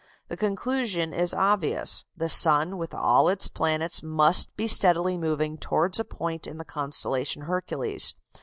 The conclusion is obvious: the sun, with all its planets, must be steadily moving towards a point in the constellation Hercules.